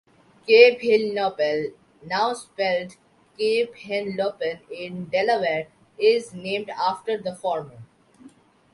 Cape Hinlopen, now spelled Cape Henlopen in Delaware is named after the former.